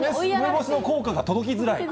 梅干しの効果が届きづらい。